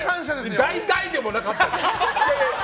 大大でもなかった。